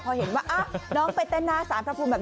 พอเห็นน้องไปเต้นหน้าสารผัสภูมิก็เลย